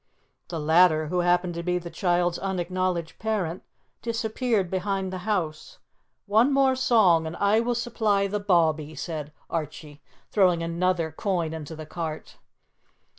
The latter, who happened to be the child's unacknowledged parent, disappeared behind the house. "One more song, and I will supply the bawbee," said Archie, throwing another coin into the cart.